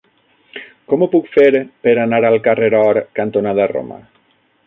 Com ho puc fer per anar al carrer Or cantonada Roma?